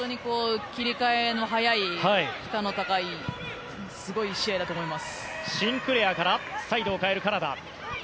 切り替えの早い負荷の高いすごい試合だと思います。